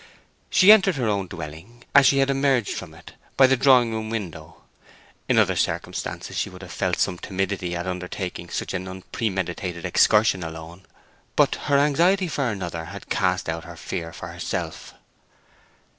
She entered her own dwelling, as she had emerged from it, by the drawing room window. In other circumstances she would have felt some timidity at undertaking such an unpremeditated excursion alone; but her anxiety for another had cast out her fear for herself.